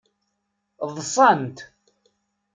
Ḍsant.